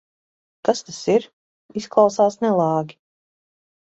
Kas tas ir? Izklausās nelāgi.